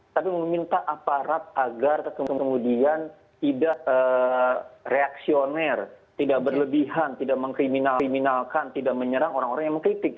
tapi meminta aparat agar kemudian tidak reaksioner tidak berlebihan tidak mengkriminal kriminalkan tidak menyerang orang orang yang mengkritik